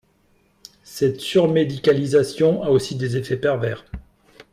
Cette surmédicalisation a aussi des effets pervers.